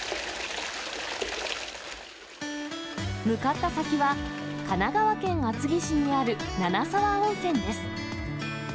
向かった先は、神奈川県厚木市にある七沢温泉です。